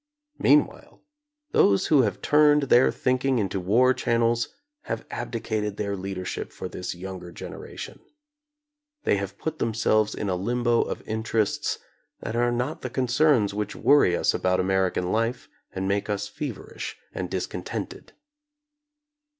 Meanwhile, those who have turned their thinking into war channels have abdicated their leadership for this younger generation. They have put themselves in a limbo of interests that are not the concerns which worry us about American life and make us feverish and discontented.